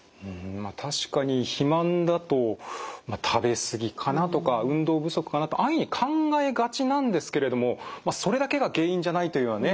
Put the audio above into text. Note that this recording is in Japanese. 確かに肥満だと食べ過ぎかなとか運動不足かなと安易に考えがちなんですけれどもそれだけが原因じゃないというのはね